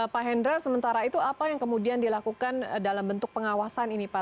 pak hendra sementara itu apa yang kemudian dilakukan dalam bentuk pengawasan ini pak